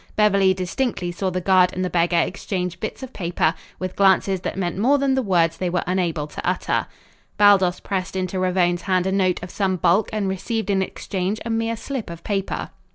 Beverly distinctly saw the guard and the beggar exchange bits of paper, with glances that meant more than the words they were unable to utter. Baldos pressed into Ravone's hand a note of some bulk and received in exchange a mere slip of paper.